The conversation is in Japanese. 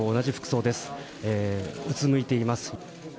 うつむいています。